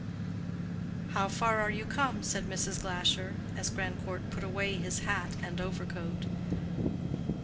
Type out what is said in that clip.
"How far are you come?" said Mrs. Glasher, as Grandcourt put away his hat and overcoat.